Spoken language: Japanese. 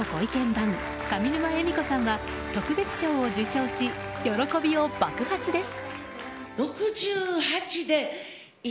番上沼恵美子さんは特別賞を受賞し喜びを爆発です。